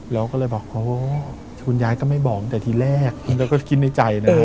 เราก็เลยบอกโอ้คุณยายก็ไม่บอกตั้งแต่ทีแรกเราก็คิดในใจนะ